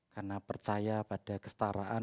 karena percaya pada kestaraan